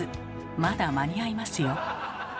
まだ間に合いますよ。